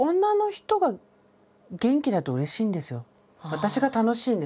私が楽しいんです。